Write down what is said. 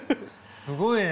すごいね。